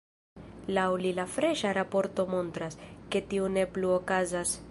Laŭ li la freŝa raporto montras, ke tio ne plu okazas.